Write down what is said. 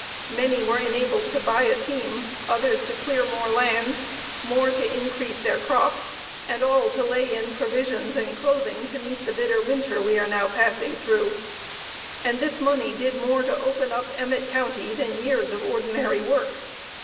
Many were enabled to buy a team, others to clear more land, more to increase their crops, and all to lay in provisions and clothing to meet the bitter winter we are now passing through, and this money did more to open up Emmett County than years of ordinary work.